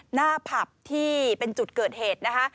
หน้าผับที่เป็นจุดเกิดเหตุนะคะ